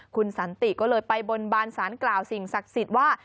คุณสันติก็เลยไปบนบานสารกล่าวสิ่งศักดิ์สิทธิ์ว่า